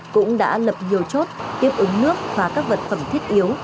cũng đã lập nhiều chốt tiếp ứng nước và các vật phẩm thiết yếu